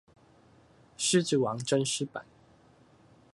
獅子王真獅版